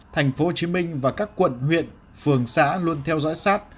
tp hcm và các quận huyện phường xã luôn theo dõi sát